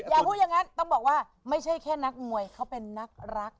อย่าพูดอย่างนั้นต้องบอกว่าไม่ใช่แค่นักมวยเขาเป็นนักรัก